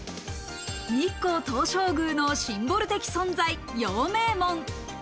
日光東照宮のシンボル的存在・陽明門。